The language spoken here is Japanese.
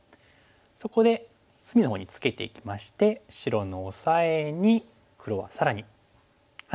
そこで隅のほうにツケていきまして白のオサエに黒は更にハネていきました。